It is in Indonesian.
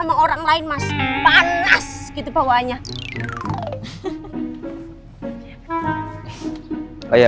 sampai jumpa di video selanjutnya